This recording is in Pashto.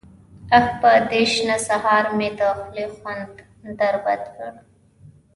_اه! په دې شنه سهار مې د خولې خوند در بد کړ.